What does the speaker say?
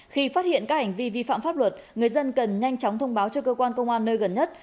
khi phát hiện các hành vi vi phạm pháp luật người dân cần nhanh chóng thông báo cho cơ quan công an nơi gần nhất